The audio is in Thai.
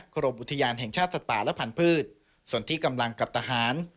กรมอุทยานแห่งชาติสัตว์ป่าและพันธุ์ส่วนที่กำลังกับทหาร